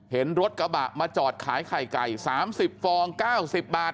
เห็นรถกระบะมาจอดขายไข่ไก่๓๐ฟอง๙๐บาท